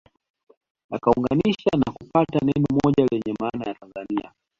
Yakaunganisha na kupata neno moja lenye maana ya Tanzania